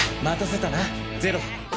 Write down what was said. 待たせたなゼロ！